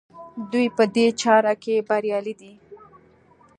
دوی په دې چاره کې بریالي دي.